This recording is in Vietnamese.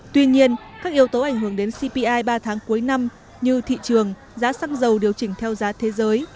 tuy nhiên các yếu tố ảnh hưởng đến cpi ba tháng cuối năm như thị trường giá xăng dầu điều chỉnh theo giá thế giới